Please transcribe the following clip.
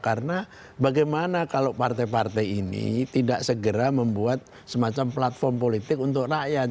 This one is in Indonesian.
karena bagaimana kalau partai partai ini tidak segera membuat semacam platform politik untuk rakyat